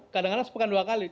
kadang kadang sepekan dua kali